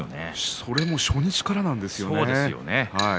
それも初日からですよね。